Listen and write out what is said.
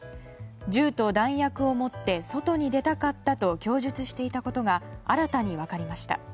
銃と弾薬を持って外に出たかったと供述していたことが新たに分かりました。